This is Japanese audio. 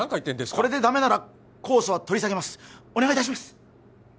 これでダメなら控訴は取り下げますお願いいたします